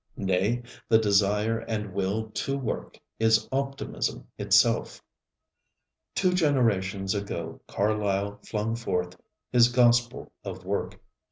Nay, the desire and will to work is optimism itself. Two generations ago Carlyle flung forth his gospel of work.